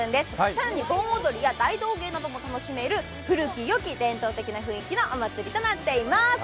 更に盆踊りや大道芸なども楽しめる古き良き伝統的な雰囲気のお祭りとなっています。